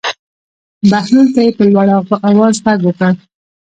بهلول ته یې په لوړ آواز غږ وکړ.